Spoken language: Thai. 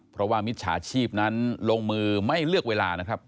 เพราะว่ามิจฉาชีพนั้นลงมือไม่เลือกเวลานะครับ